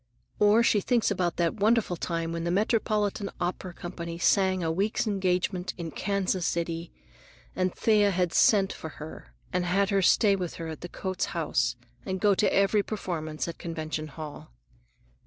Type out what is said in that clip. Or she thinks about that wonderful time when the Metropolitan Opera Company sang a week's engagement in Kansas City, and Thea sent for her and had her stay with her at the Coates House and go to every performance at Convention Hall.